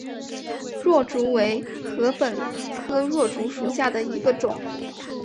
箬竹为禾本科箬竹属下的一个种。